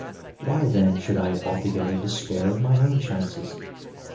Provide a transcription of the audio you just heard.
Why, ,then, should I altogether despair of my own chances